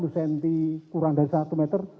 tiga puluh cm kurang dari satu meter